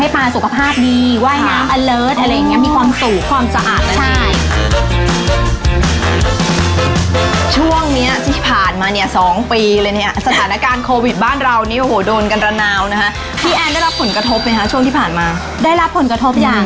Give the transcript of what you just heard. ไปไหนครับ